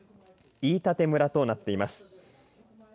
飯舘村となっています。